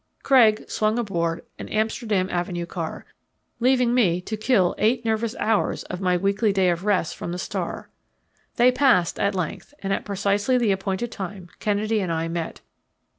Craig swung aboard an Amsterdam Avenue car, leaving me to kill eight nervous hours of my weekly day of rest from the Star. They passed at length, and at precisely the appointed time Kennedy and I met.